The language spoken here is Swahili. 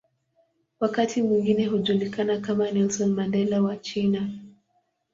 Wakati mwingine hujulikana kama "Nelson Mandela wa China".